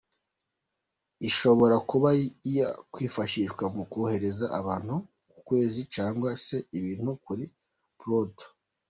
Ishobora kuba yakwifashishwa mu kohereza abantu ku kwezi cyangwa se ibintu kuri Pluto.